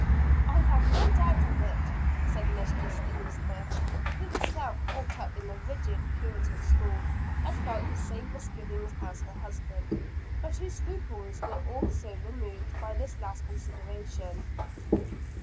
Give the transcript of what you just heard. "I have no doubt of it," said Mistress Elizabeth who herself brought up in the rigid Puritan school, had felt the same misgivings as her husband, but whose scruples were also removed by this last consideration.